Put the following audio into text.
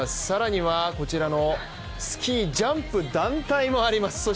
さらにはこちらのスキージャンプ団体もあります